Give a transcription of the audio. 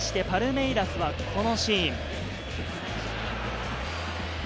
パルメイラスは、このシーン。